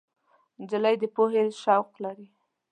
نجلۍ د پوهې شوق لري.